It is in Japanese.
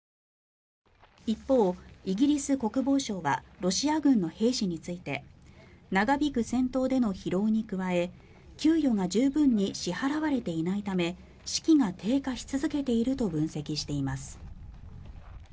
一方、イギリス国防省はロシア軍の兵士について長引く戦闘での疲労に加え給与が十分に支払われていないため士気が低下し続けていると分析しています。